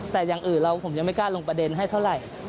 แต่อย่างอื่นเราผมยังไม่กล้าลงประเด็นให้เท่าไหร่